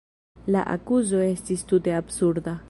La akuzo estis tute absurda.